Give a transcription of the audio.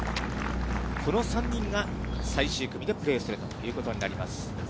この３人が最終組でプレーするということになります。